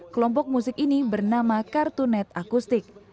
kelompok musik ini bernama kartunet akustik